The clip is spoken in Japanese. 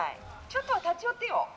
ちょっとは立ち寄ってよ」。